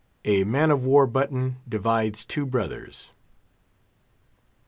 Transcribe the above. A MAN OF WAR BUTTON DIVIDES TWO BROTHERS.